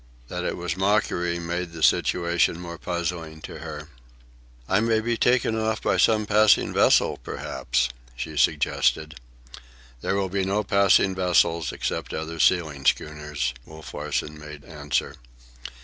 That it was mockery made the situation more puzzling to her. "I may be taken off by some passing vessel, perhaps," she suggested. "There will be no passing vessels, except other sealing schooners," Wolf Larsen made answer.